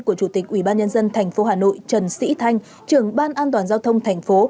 của chủ tịch ubnd tp hà nội trần sĩ thanh trưởng ban an toàn giao thông tp